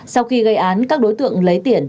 sau khi gây án các đối tượng lấy tiền